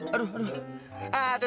aduh tuh tuh depan ada warung tuh